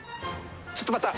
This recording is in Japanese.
ちょっと待った！